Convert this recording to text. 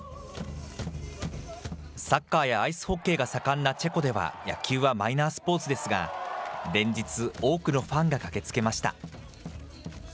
サッカーやアイスホッケーが盛んなチェコでは、野球はマイナースポーツですが、連日、多くのファンが駆けつけました。